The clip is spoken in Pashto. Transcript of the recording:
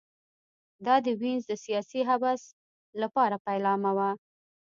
دا د وینز د سیاسي حبس لپاره پیلامه وه